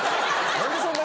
何でそんな。